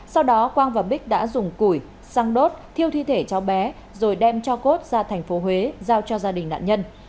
sau đó quang và bích đã dùng củi xăng đốt thiêu thi thể cháu bé rồi đem cho cốt ra thành phố huế giao cho gia đình nạn nhân